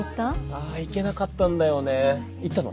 あ行けなかったんだよね行ったの？